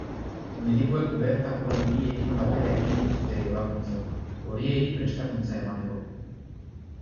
Medikuek bertako langileekin batera egiten dituzte ebakuntzak, horiei prestakuntza emateko.